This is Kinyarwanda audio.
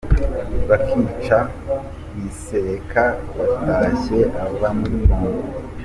Bakica Rwisereka watashye ava muri Congo